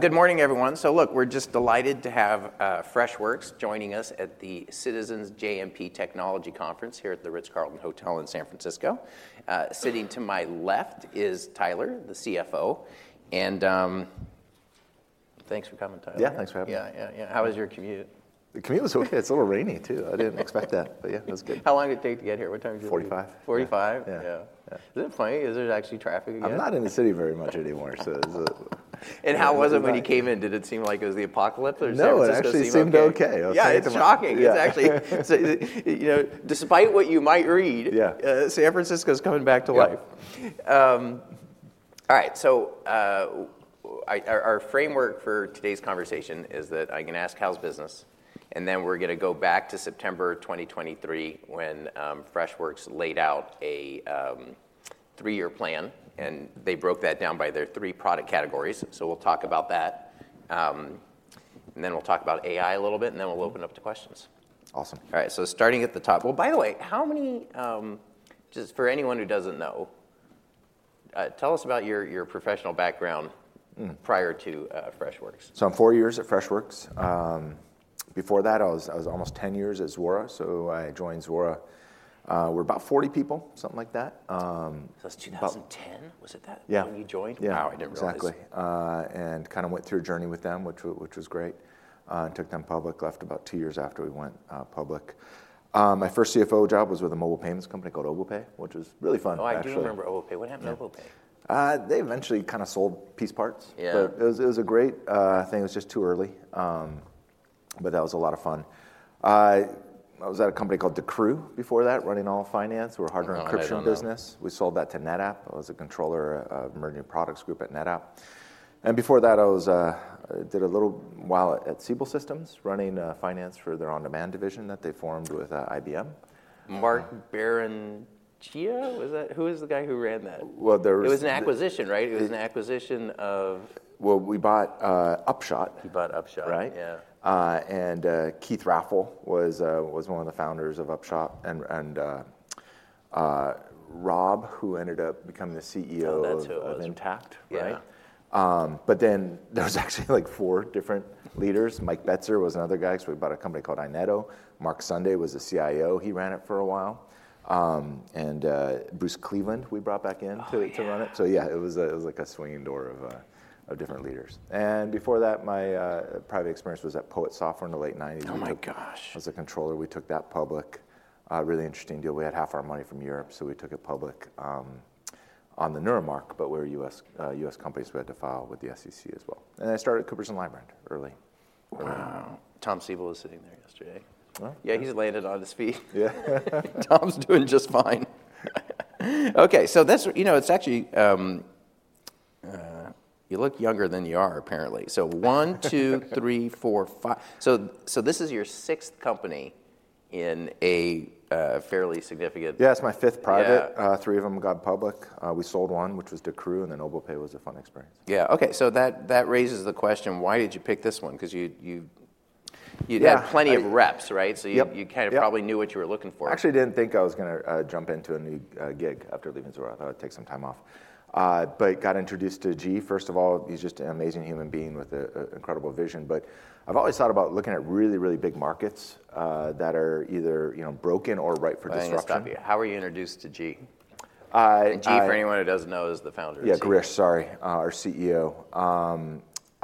Good morning, everyone. So look, we're just delighted to have Freshworks joining us at the Citizens JMP Technology Conference here at the Ritz-Carlton Hotel in San Francisco. Sitting to my left is Tyler, the CFO, and thanks for coming, Tyler. Yeah, thanks for having me. Yeah, yeah, yeah. How was your commute? The commute was okay. It's a little rainy, too. I didn't expect that, but yeah, it was good. How long did it take to get here? What time did you leave? 45. 45? Yeah. Yeah. Yeah. Isn't it funny? Is there actually traffic again? I'm not in the city very much anymore, so - How was it when you came in? Did it seem like it was the apocalypse, or- No- San Francisco seemed okay.... it actually seemed okay. Okay. Yeah, it's shocking! Yeah. It's actually, so, you know, despite what you might read- Yeah... San Francisco's coming back to life. Yep. All right. So, our framework for today's conversation is that I'm going to ask: How's business? And then we're going to go back to September 2023, when Freshworks laid out a three-year plan, and they broke that down by their three product categories. So we'll talk about that. And then we'll talk about AI a little bit, and then we'll open up to questions. Awesome. All right, so starting at the top. Well, by the way, just for anyone who doesn't know, tell us about your professional background-... prior to Freshworks. So I'm four years at Freshworks. Before that, I was almost 10 years at Zuora. So I joined Zuora, we're about 40 people, something like that. About- That's 2010. Was it that? Yeah. When you joined? Yeah. Wow, I didn't realize. Exactly. And kind of went through a journey with them, which was great. And took them public. Left about two years after we went public. My first CFO job was with a mobile payments company called Obopay, which was really fun, actually. Oh, I do remember Obopay. What happened to Obopay? They eventually kind of sold piece parts. Yeah. But it was a great thing. It was just too early. But that was a lot of fun. I was at a company called Decru before that, running all finance. We were a hardware and encryption business. Oh, I don't know. We sold that to NetApp. I was a controller of emerging products group at NetApp. Before that, I was, did a little while at Siebel Systems, running finance for their on-demand division that they formed with IBM. Mark Barrenechea, was that... Who was the guy who ran that? Well, there was- It was an acquisition, right? It was an acquisition of- Well, we bought Upshot. You bought Upshot. Right? Yeah. And Keith Raffel was one of the founders of Upshot, and Rob, who ended up becoming the CEO- Oh, that's who it was.... of Intacct. Yeah. Right. But then there was actually, like four different leaders. Mike Betzer was another guy, so we bought a company called Ineto. Mark Sunday was the CIO. He ran it for a while, and Bruce Cleveland, we brought back in to- Oh, yeah... to run it. So yeah, it was a, it was like a swinging door of different leaders. And before that, my private experience was at POET Software in the late 1990s. Oh, my gosh. I was a controller. We took that public. Really interesting deal. We had half our money from Europe, so we took it public on the Neuer Markt, but we're a U.S. company, so we had to file with the SEC as well. And then I started at Coopers & Lybrand early. Tom Siebel was sitting there yesterday. Oh, yeah? Yeah, he's landed on his feet. Yeah. Tom's doing just fine. Okay, so this, you know, it's actually you look younger than you are, apparently. So one, two, three, four, five. So this is your sixth company in a fairly significant- Yeah, it's my fifth private. Yeah. Three of them got public. We sold one, which was Decru, and then Obopay was a fun experience. Yeah. Okay, so that raises the question: Why did you pick this one? Because you- Yeah... had plenty of reps, right? Yep. So you kind of- Yep... probably knew what you were looking for. I actually didn't think I was going to jump into a new gig after leaving Zuora. I thought I'd take some time off. But got introduced to G. First of all, he's just an amazing human being with an incredible vision. But I've always thought about looking at really, really big markets that are either, you know, broken or ripe for disruption. Let me stop you. How were you introduced to G? I, I- G, for anyone who doesn't know, is the founder of G. Yeah, Girish, sorry. Our CEO.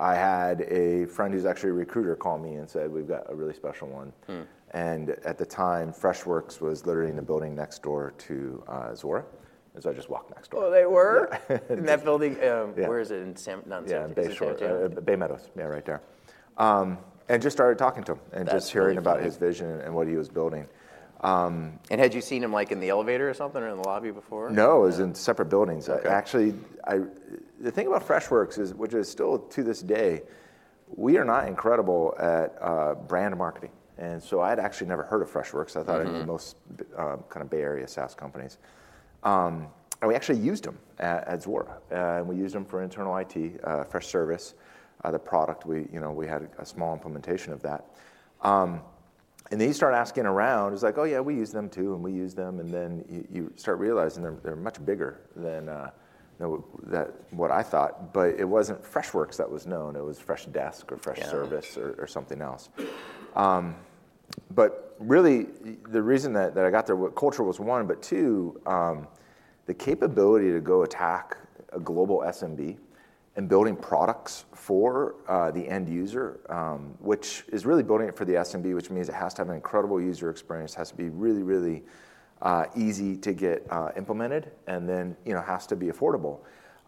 I had a friend who's actually a recruiter call me and said, "We've got a really special one. At the time, Freshworks was literally in the building next door to Zuora, and so I just walked next door. Oh, they were? Yeah. In that building. Yeah... where is it? In San Fran- not San Fran- Yeah, Bayshore. Bay Meadows. Yeah, right there. Just started talking to him- That's really funny.... and just hearing about his vision and what he was building. Had you seen him, like, in the elevator or something, or in the lobby before? No, it was in separate buildings. Okay. Actually, the thing about Freshworks is, which is still to this day, we are not incredible at brand marketing. And so I'd actually never heard of Freshworks-... I thought it was the most kind of Bay Area SaaS companies. And we actually used them at, at Zuora, and we used them for internal IT, Freshservice. The product, we, you know, we had a small implementation of that. And then you start asking around, it's like: Oh yeah, we use them too, and we use them. And then you, you start realizing they're, they're much bigger than, than what I thought. But it wasn't Freshworks that was known, it was Freshdesk or Freshservice- Yeah... or, or something else. But really, the reason that, that I got there, culture was one, but two, the capability to go attack a global SMB and building products for, the end user, which is really building it for the SMB, which means it has to have an incredible user experience, has to be really, really, easy to get, implemented and then, you know, has to be affordable.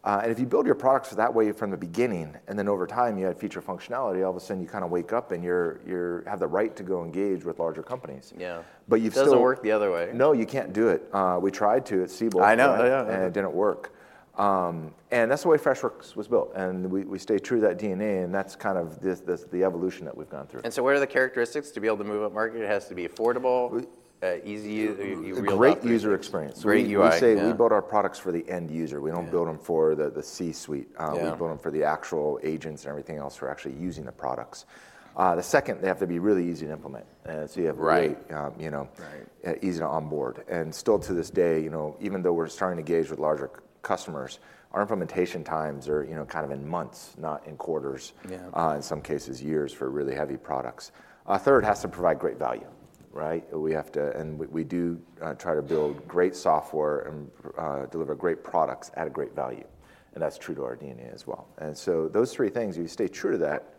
And if you build your products that way from the beginning, and then over time, you add feature functionality, all of a sudden you kind of wake up and you're, you're, have the right to go engage with larger companies. Yeah. But you've still- It doesn't work the other way. No, you can't do it. We tried to at Siebel. I know, yeah, yeah. It didn't work. That's the way Freshworks was built, and we stayed true to that DNA, and that's kind of the evolution that we've gone through. And so what are the characteristics to be able to move upmarket? It has to be affordable, easy, real- A great user experience. Great UI, yeah. We say we build our products for the end user. Yeah. We don't build them for the C-suite. Yeah. We build them for the actual agents and everything else who are actually using the products. The second, they have to be really easy to implement. And so you have- Right... great, you know- Right... easy to onboard. Still to this day, you know, even though we're starting to engage with larger customers, our implementation times are, you know, kind of in months, not in quarters- Yeah... in some cases, years, for really heavy products. Third, has to provide great value.... right? We have to, and we, we do, try to build great software and, deliver great products at a great value, and that's true to our DNA as well. And so those three things, you stay true to that,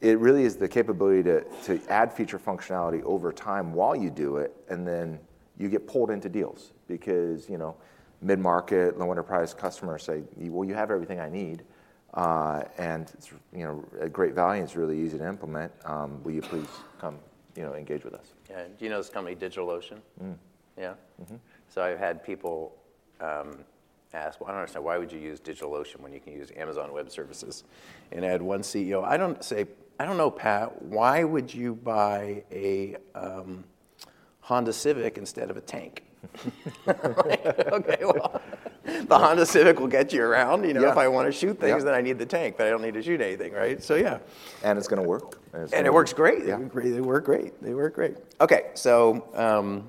it really is the capability to add feature functionality over time while you do it, and then you get pulled into deals. Because, you know, mid-market, low enterprise customers say, "Well, you have everything I need, and it's, you know, a great value, and it's really easy to implement. Will you please come, you know, engage with us? Yeah. Do you know this company, DigitalOcean? Mm. Yeah. Mm-hmm. So I've had people ask, “Well, I don't understand. Why would you use DigitalOcean when you can use Amazon Web Services?” I had one CEO say, "I don't know, Pat, why would you buy a Honda Civic instead of a tank? Okay, well, the Honda Civic will get you around, you know- Yeah... if I want to shoot things- Yeah... then I need the tank, but I don't need to shoot anything, right? So yeah. And it's going to work, and it's- It works great. Yeah. They work great. They work great. Okay, so,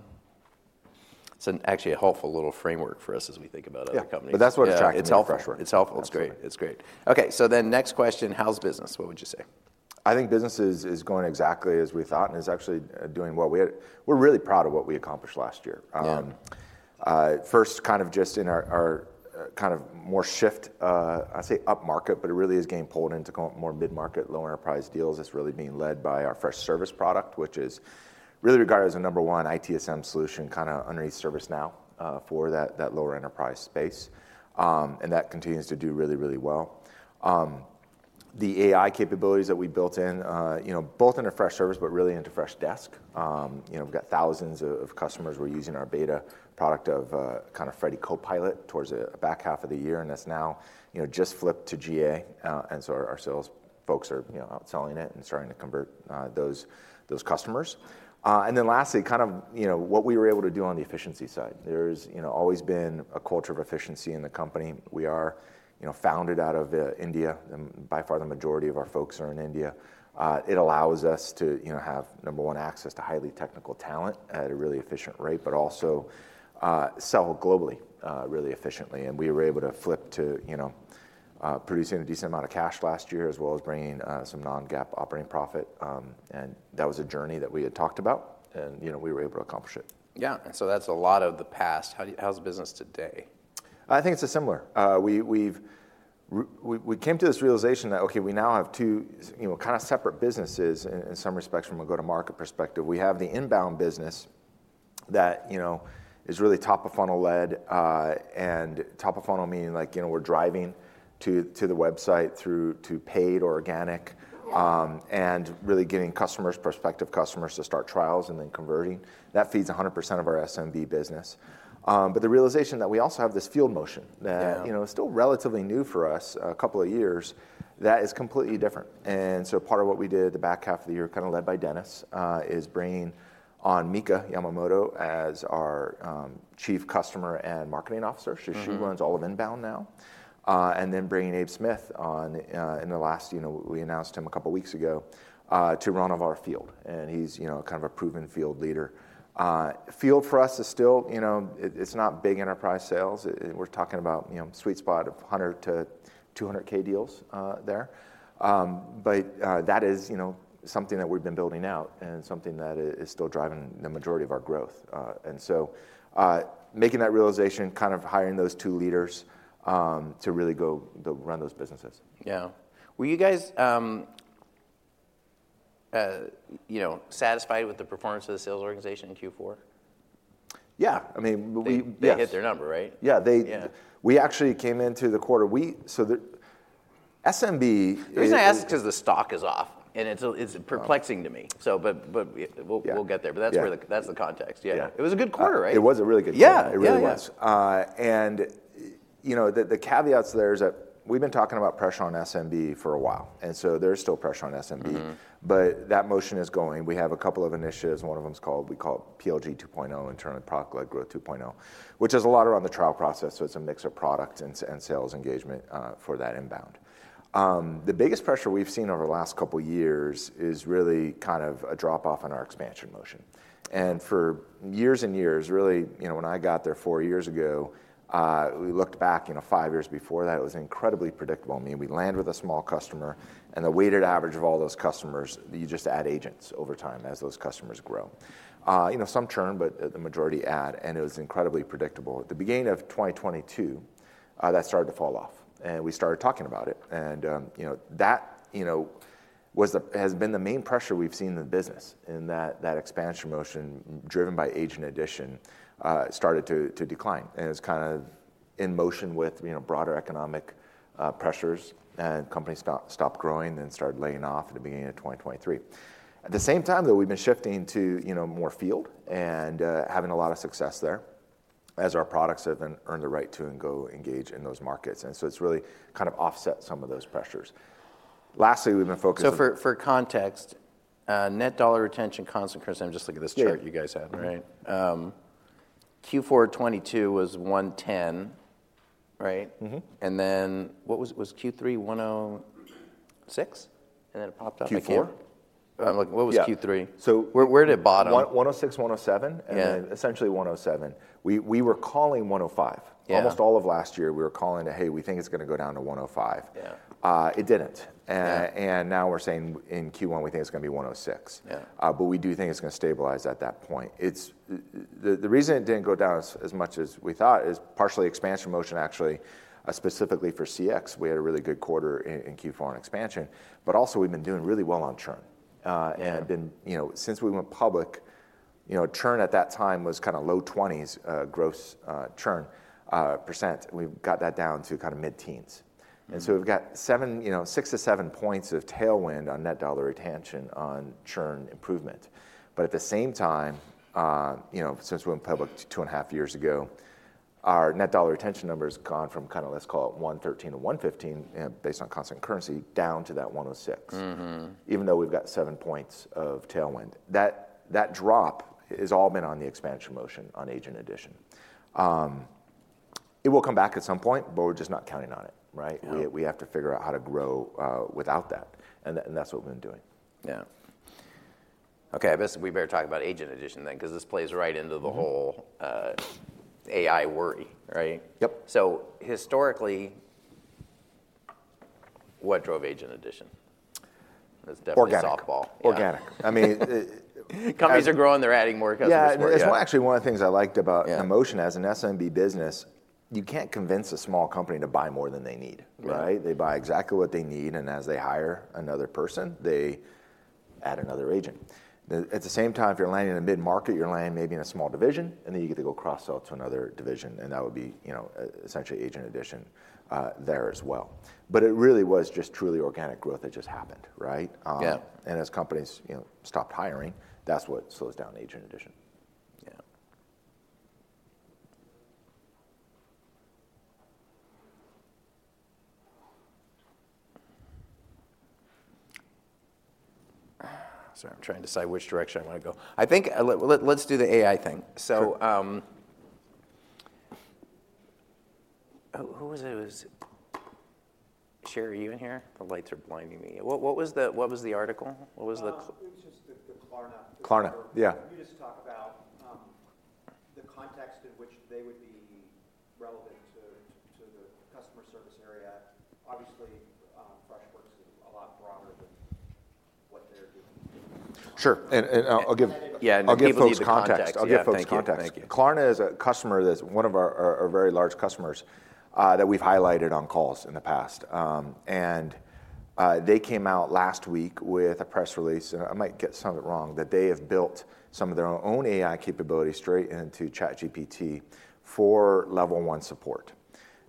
it's actually a helpful little framework for us as we think about other companies. Yeah, but that's what attracted me- It's helpful. It's helpful. It's great. It's great. Okay, so then next question, how's business? What would you say? I think business is going exactly as we thought, and is actually doing well. We're really proud of what we accomplished last year. Yeah. First, kind of just in our, our, kind of more shift, I say upmarket, but it really is getting pulled into more mid-market, low enterprise deals. It's really being led by our Freshservice product, which is really regarded as the number one ITSM solution, kind of underneath ServiceNow, for that, that lower enterprise space. And that continues to do really, really well. The AI capabilities that we built in, you know, both into Freshservice, but really into Freshdesk. You know, we've got thousands of customers who are using our beta product of kind of Freddy Copilot towards the back half of the year, and that's now, you know, just flipped to GA. And so our sales folks are, you know, out selling it and starting to convert those customers. And then lastly, kind of, you know, what we were able to do on the efficiency side. There's, you know, always been a culture of efficiency in the company. We are, you know, founded out of, India, and by far, the majority of our folks are in India. It allows us to, you know, have, number one, access to highly technical talent at a really efficient rate, but also, sell globally, really efficiently. And we were able to flip to, you know, producing a decent amount of cash last year, as well as bringing, some non-GAAP operating profit. And that was a journey that we had talked about, and, you know, we were able to accomplish it. Yeah, so that's a lot of the past. How's business today? I think it's similar. We came to this realization that, okay, we now have two, you know, kind of separate businesses in, in some respects, from a go-to-market perspective. We have the inbound business that, you know, is really top-of-funnel lead, and top of funnel, meaning like, you know, we're driving to the website, through paid, organic. And really getting customers, prospective customers, to start trials and then converting. That feeds 100% of our SMB business. But the realization that we also have this field motion- Yeah... that, you know, is still relatively new for us, a couple of years, that is completely different. And so part of what we did the back half of the year, kind of led by Dennis, is bringing on Mika Yamamoto as our Chief Customer and Marketing Officer. So she runs all of inbound now. And then bringing Abe Smith on, in the last, you know, we announced him a couple of weeks ago, to run our field, and he's, you know, kind of a proven field leader. Field for us is still, you know, it's not big enterprise sales. We're talking about, you know, sweet spot of $100K-$200K deals there. But that is, you know, something that we've been building out and something that is still driving the majority of our growth. And so making that realization, kind of hiring those two leaders, to really go to run those businesses. Yeah. Were you guys, you know, satisfied with the performance of the sales organization in Q4? Yeah, I mean, yes. They hit their number, right? Yeah, they- Yeah. We actually came into the quarter. We, so the SMB is- The reason I ask, 'cause the stock is off, and it's perplexing to me. Oh. But we- Yeah... we'll get there. Yeah. But that's where that's the context. Yeah. Yeah. It was a good quarter, right? It was a really good quarter. Yeah, yeah, yeah. It really was. You know, the caveats there is that we've been talking about pressure on SMB for a while, and so there's still pressure on SMB. But that motion is going. We have a couple of initiatives. One of them is called, we call it PLG 2.0, in terms of product-led growth 2.0, which is a lot around the trial process, so it's a mix of product and SaaS and sales engagement for that inbound. The biggest pressure we've seen over the last couple of years is really kind of a drop-off in our expansion motion, and for years and years, really, you know, when I got there four years ago, we looked back, you know, five years before that, it was incredibly predictable. I mean, we'd land with a small customer, and the weighted average of all those customers, you just add agents over time as those customers grow. You know, some churn, but the majority add, and it was incredibly predictable. At the beginning of 2022, that started to fall off, and we started talking about it, and, you know, that, you know, was the, has been the main pressure we've seen in the business, and that, that expansion motion, driven by agent addition, started to, to decline. And it's kind of in motion with, you know, broader economic pressures, and companies stopped growing and started laying off at the beginning of 2023. At the same time, though, we've been shifting to, you know, more field and, having a lot of success there, as our products have then earned the right to and go engage in those markets, and so it's really kind of offset some of those pressures. Lastly, we've been focusing- For context, Net Dollar Retention constant, Chris, I'm just looking at this chart you guys have, right? Q4 2022 was 110%... Right? And then what was Q3, 106%, and then it popped up again? Q4. Like what was Q3? Yeah. Where did it bottom? 106%, 107%. Yeah. Then essentially 107%. We were calling 105%. Yeah. Almost all of last year, we were calling it, "Hey, we think it's going to go down to 105%. Yeah. It didn't. Yeah. And now we're saying in Q1, we think it's going to be 106%. Yeah. But we do think it's going to stabilize at that point. It's the reason it didn't go down as much as we thought is partially expansion motion, actually, specifically for CX. We had a really good quarter in Q4 on expansion, but also we've been doing really well on churn. Yeah. You know, since we went public, you know, churn at that time was kind of low 20s gross churn %. We've got that down to kind of mid-teens. And so we've got seven—you know, 6-7 points of tailwind on Net Dollar Retention on churn improvement. But at the same time, you know, since we went public 2.5 years ago, our Net Dollar Retention number has gone from kind of, let's call it 113%-115%, based on constant currency, down to that 106%. Even though we've got seven points of tailwind, that, that drop has all been on the expansion motion on agent addition. It will come back at some point, but we're just not counting on it, right? Yeah. We have to figure out how to grow without that, and that's what we've been doing. Yeah. Okay, I guess we better talk about agent addition then, because this plays right into the whole- ... AI worry, right? Yep. Historically, what drove agent addition? That's definitely softball. Organic. Organic. I mean, Companies are growing, they're adding more customers. Yeah, it's actually one of the things I liked about-... Promotion as an SMB business. You can't convince a small company to buy more than they need. Yeah. Right? They buy exactly what they need, and as they hire another person, they add another agent. At the same time, if you're landing in the mid-market, you're landing maybe in a small division, and then you get to go cross-sell to another division, and that would be, you know, essentially agent addition there as well. But it really was just truly organic growth that just happened, right? Yeah. As companies, you know, stopped hiring, that's what slows down agent addition. Yeah. Sorry, I'm trying to decide which direction I want to go. I think, let's do the AI thing. Sure. So, who was it? It was... Sherry, are you in here? The lights are blinding me. What was the article? What was the- It was just the Klarna. Klarna, yeah. You just talk about the context in which they would be relevant to the customer service area. Obviously, Freshworks is a lot broader than what they're doing. Sure, and I'll give- And- Yeah... I'll give folks context. Give a little context. I'll give folks context. Yeah, thank you. Thank you. Klarna is a customer that's one of our very large customers that we've highlighted on calls in the past. They came out last week with a press release, and I might get some of it wrong, that they have built some of their own AI capabilities straight into ChatGPT for level one support.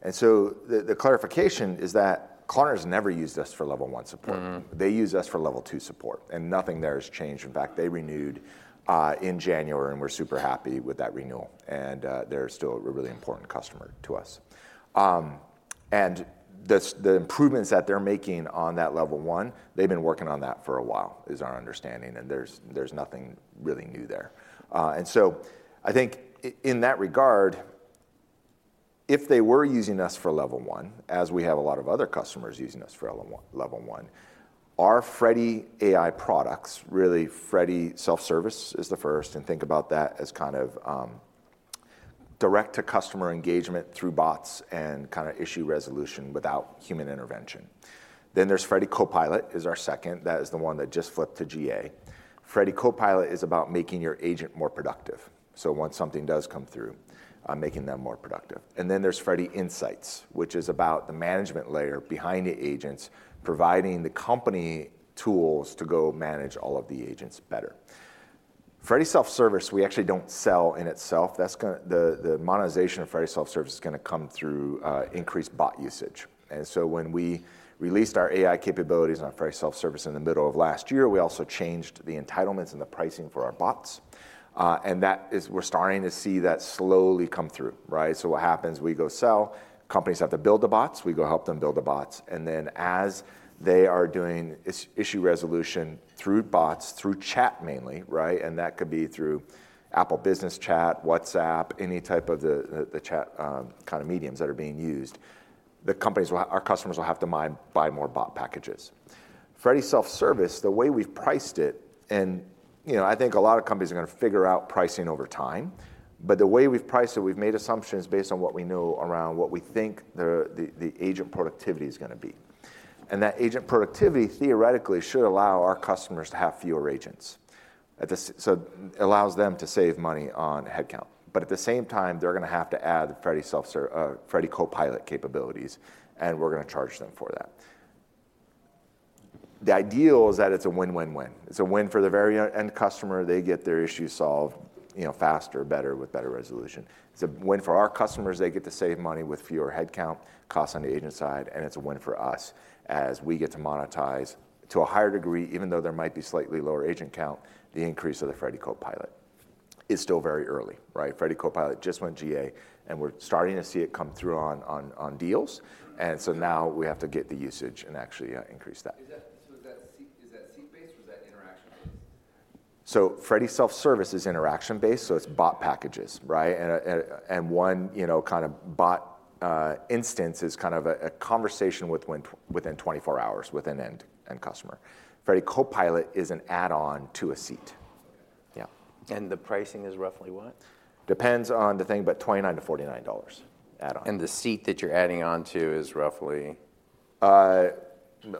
And so the clarification is that Klarna has never used us for level one support. They use us for level two support, and nothing there has changed. In fact, they renewed in January, and we're super happy with that renewal, and they're still a really important customer to us. And the improvements that they're making on that level one, they've been working on that for a while, is our understanding, and there's nothing really new there. And so I think in that regard, if they were using us for level one, as we have a lot of other customers using us for level one, our Freddy AI products, really, Freddy Self-Service is the first, and think about that as kind of direct to customer engagement through bots and kind of issue resolution without human intervention. Then there's Freddy Copilot is our second. That is the one that just flipped to GA. Freddy Copilot is about making your agent more productive. So once something does come through, making them more productive. And then there's Freddy Insights, which is about the management layer behind the agents, providing the company tools to go manage all of the agents better. Freddy Self-Service, we actually don't sell in itself. That's gonna, the monetization of Freddy Self-Service is going to come through increased bot usage. And so when we released our AI capabilities on Freddy Self-Service in the middle of last year, we also changed the entitlements and the pricing for our bots. And that is, we're starting to see that slowly come through, right? So what happens, we go sell. Companies have to build the bots, we go help them build the bots, and then as they are doing issue resolution through bots, through chat, mainly, right? And that could be through Apple Business Chat, WhatsApp, any type of the chat kind of mediums that are being used. Our customers will have to buy more bot packages. Freddy Self-Service, the way we've priced it, and, you know, I think a lot of companies are going to figure out pricing over time. But the way we've priced it, we've made assumptions based on what we know around what we think the agent productivity is going to be. And that agent productivity theoretically should allow our customers to have fewer agents. So allows them to save money on headcount. But at the same time, they're going to have to add Freddy Self-Service, Freddy Copilot capabilities, and we're going to charge them for that. The ideal is that it's a win, win, win. It's a win for the very end customer. They get their issue solved, you know, faster, better, with better resolution. It's a win for our customers. They get to save money with fewer headcount costs on the agent side, and it's a win for us as we get to monetize to a higher degree, even though there might be slightly lower agent count, the increase of the Freddy Copilot. It's still very early, right? Freddy Copilot just went GA, and we're starting to see it come through on deals, and so now we have to get the usage and actually increase that. So Freddy Self-Service is interaction-based, so it's bot packages, right? And one, you know, kind of bot instance is kind of a conversation within 24 hours with an end customer. Freddy Copilot is an add-on to a seat. Yeah. The pricing is roughly what? Depends on the thing, but $29-$49 add-on. The seat that you're adding on to is roughly?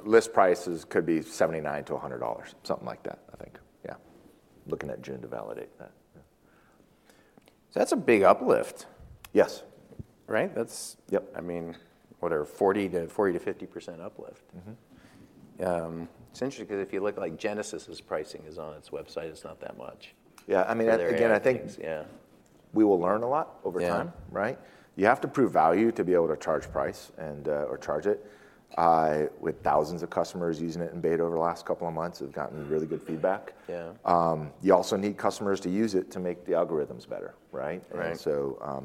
List prices could be $79-$100. Something like that, I think. Looking at Joon to validate that. That's a big uplift. Yes. Right? That's- Yep. I mean, what are 40%-50% uplift? Mm-hmm. It's interesting, 'cause if you look, like Genesys's pricing is on its website, it's not that much. Yeah, I mean- There, yeah... again, I think- Yeah... we will learn a lot over time. Yeah. Right? You have to prove value to be able to charge price and, or charge it. With thousands of customers using it in beta over the last couple of months, we've gotten really good feedback. Yeah. You also need customers to use it to make the algorithms better, right? Right.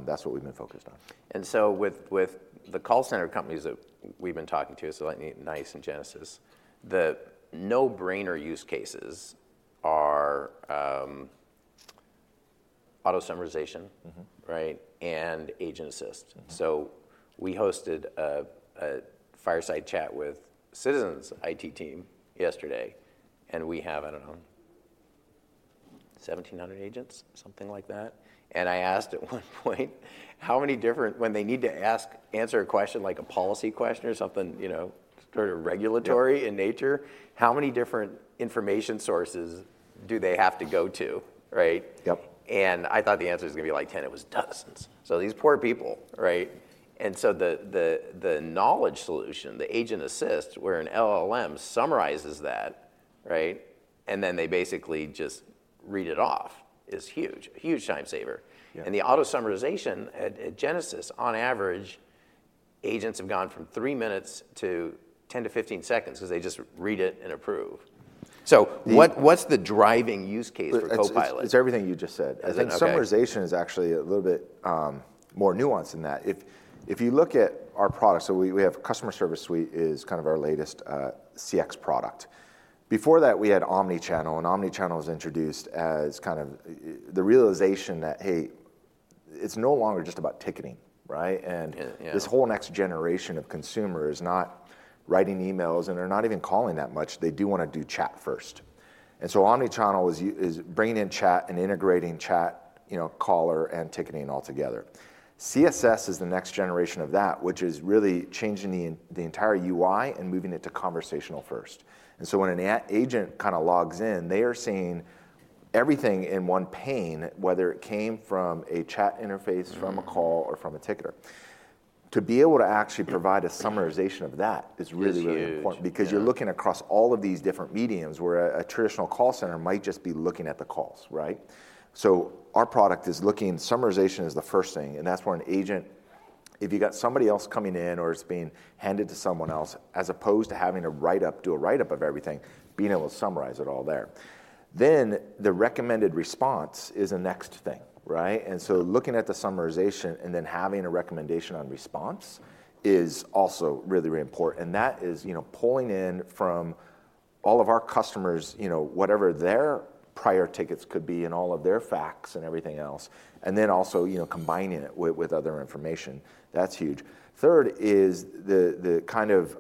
That's what we've been focused on. And so with, with the call center companies that we've been talking to, so like NICE and Genesys, the no-brainer use cases are Auto Summarization, right, and Agent Assist. Mm. So we hosted a fireside chat with Citizens IT team yesterday, and we have, I don't know, 1,700 agents, something like that. And I asked at one point, how many different... When they need to ask, answer a question, like a policy question or something, you know, sort of regulatory-... in nature, how many different information sources do they have to go to, right? Yep. I thought the answer was gonna be, like, 10. It was dozens. So these poor people, right? So the knowledge solution, the Agent Assist, where an LLM summarizes that, right, and then they basically just read it off, is huge, a huge time saver. Yeah. The auto summarization at Genesys, on average, agents have gone from 3 minutes to 10-15 seconds, 'cause they just read it and approve. So what's the driving use case for Copilot? It's everything you just said. Okay. I think summarization is actually a little bit more nuanced than that. If you look at our products, so we have Customer Service Suite is kind of our latest CX product. Before that, we had Omnichannel, and Omnichannel was introduced as kind of the realization that, hey, it's no longer just about ticketing, right? Yeah, yeah. This whole next generation of consumer is not writing emails, and they're not even calling that much. They do wanna do chat first. And so Omnichannel is bringing in chat and integrating chat, you know, caller, and ticketing all together. CSS is the next generation of that, which is really changing the entire UI and moving it to conversational first. And so when an agent kind of logs in, they are seeing everything in one pane, whether it came from a chat interface- Mm... from a call, or from a ticker. To be able to actually provide a summarization of that is really, really important. Is huge, yeah. Because you're looking across all of these different mediums, where a traditional call center might just be looking at the calls, right? So our product is looking; summarization is the first thing, and that's where an agent, if you've got somebody else coming in or it's being handed to someone else, as opposed to having a write-up, do a write-up of everything, being able to summarize it all there. Then, the recommended response is the next thing, right? And so looking at the summarization and then having a recommendation on response is also really, really important, and that is, you know, pulling in from all of our customers, you know, whatever their prior tickets could be and all of their facts and everything else, and then also, you know, combining it with, with other information. That's huge. Third is the kind of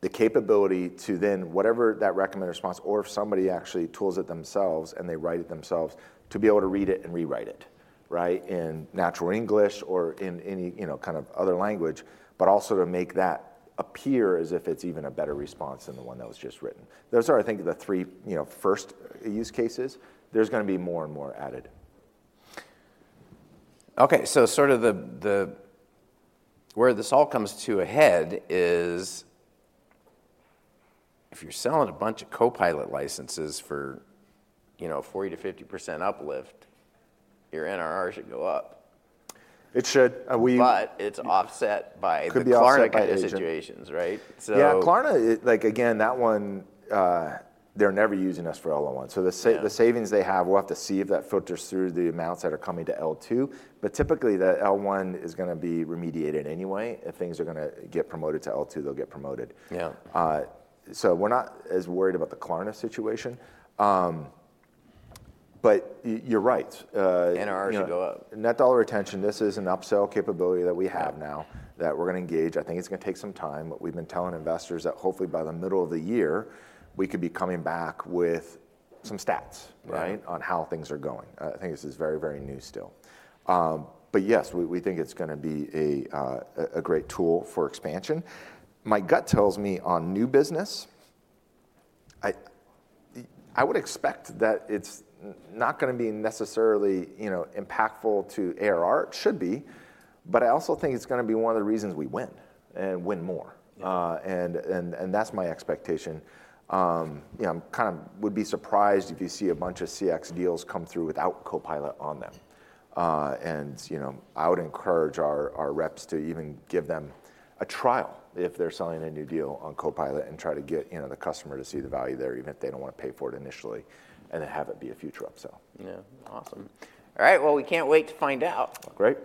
the capability to then whatever that recommended response or if somebody actually tools it themselves and they write it themselves, to be able to read it and rewrite it, right? In natural English or in any, you know, kind of other language, but also to make that appear as if it's even a better response than the one that was just written. Those are, I think, the three, you know, first use cases. There's gonna be more and more added. Okay, so sort of where this all comes to a head is if you're selling a bunch of Copilot licenses for, you know, 40%-50% uplift, your NRR should go up. It should, But it's offset by- Could be offset by the agent.... the Klarna kind of situations, right? So- Yeah, Klarna, like again, that one, they're never using us for L1. Yeah. So the savings they have, we'll have to see if that filters through the amounts that are coming to L2. But typically, the L1 is gonna be remediated anyway. If things are gonna get promoted to L2, they'll get promoted. Yeah. So we're not as worried about the Klarna situation. But you're right, NRR should go up.... Net Dollar Retention, this is an upsell capability that we have now- Yeah... that we're gonna engage. I think it's gonna take some time, but we've been telling investors that hopefully by the middle of the year, we could be coming back with some stats- Right... right, on how things are going. I think this is very, very new still. But yes, we, we think it's gonna be a great tool for expansion. My gut tells me on new business, I would expect that it's not gonna be necessarily, you know, impactful to ARR. It should be, but I also think it's gonna be one of the reasons we win and win more. Yeah. That's my expectation. You know, I'm kind of would be surprised if you see a bunch of CX deals come through without Copilot on them. And, you know, I would encourage our reps to even give them a trial if they're selling a new deal on Copilot and try to get, you know, the customer to see the value there, even if they don't wanna pay for it initially, and then have it be a future upsell. Yeah. Awesome. Mm. All right, well, we can't wait to find out. Great.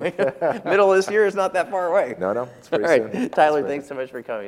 Middle of this year is not that far away. No, no, it's very soon. All right. It's soon. Tyler, thanks so much for coming.